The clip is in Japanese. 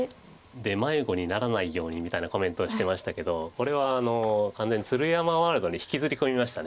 迷子にならないようにみたいなコメントをしてましたけどこれは完全に鶴山ワールドに引きずり込みました。